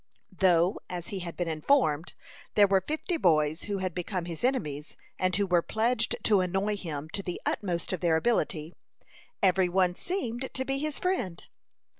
Though, as he had been informed, there were fifty boys who had become his enemies, and who were pledged to annoy him to the utmost of their ability, every one seemed to be his friend.